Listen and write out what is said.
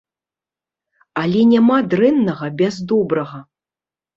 Але няма дрэннага без добрага!